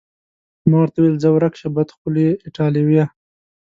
ما ورته وویل: ځه ورک شه، بدخولې ایټالویه.